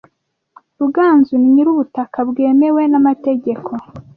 Ruganzu ni nyir'ubutaka bwemewe n'amategeko.